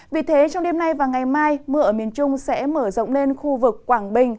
vì thế trong đêm nay và ngày mai mưa ở miền trung sẽ mở rộng lên khu vực quảng bình